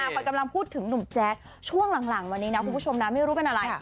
พอยกำลังพูดถึงหนุ่มแจ๊คช่วงหลังวันนี้นะคุณผู้ชมนะไม่รู้เป็นอะไร